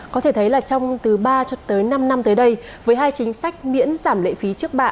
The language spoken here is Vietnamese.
có thể thấy là trong từ ba cho tới năm năm tới đây với hai chính sách miễn giảm lệ phí trước bạ